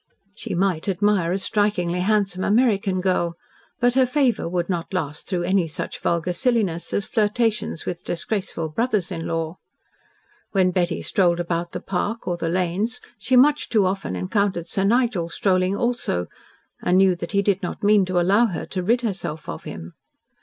She might admire a strikingly handsome American girl, but her favour would not last through any such vulgar silliness as flirtations with disgraceful brothers in law. When Betty strolled about the park or the lanes, she much too often encountered Sir Nigel strolling also, and knew that he did not mean to allow her to rid herself of him.